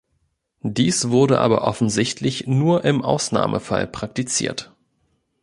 Dies wurde aber offensichtlich nur im Ausnahmefall praktiziert.